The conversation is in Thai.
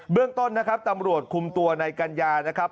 เรื่องต้นนะครับตำรวจคุมตัวในกัญญานะครับ